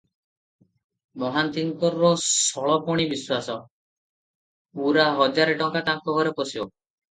ମହାନ୍ତିଙ୍କର ଷୋଳପଣି ବିଶ୍ୱାସ, ପୂରା ହଜାରେ ଟଙ୍କା ତାଙ୍କ ଘରେ ପଶିବ ।